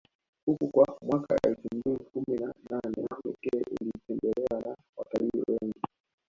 huku kwa mwaka elfu mbili kumi na nane Pekee ilitembelewa na watalii wengi